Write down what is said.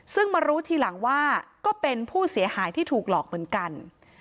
ซึ่งมารู้ทีหลังว่าก็เป็นผู้เสียหายที่ถูกหลอกเหมือนกัน